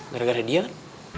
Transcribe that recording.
gara gara dia kan